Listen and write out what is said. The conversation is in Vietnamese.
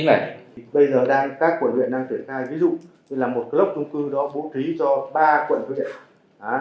bây giờ các quận nguyện đang triển khai ví dụ là một club trung cư đó bố trí cho ba quận nguyện